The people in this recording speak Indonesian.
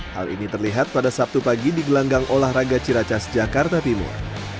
hal ini terlihat pada sabtu pagi di gelanggang olahraga ciracas jakarta timur